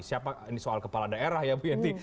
siapa ini soal kepala daerah ya bu yenti